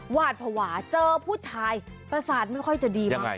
หวาดภาวะเจอผู้ชายประสาทไม่ค่อยจะดีมาก